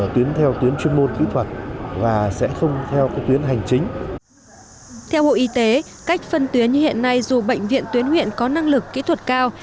theo bộ y tế cách phân tuyến như hiện nay dù bệnh viện tuyến huyện có năng lực kỹ thuật cao